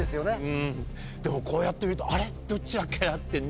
うんでもこうやって見ると「どっちだっけ？」ってなるよね。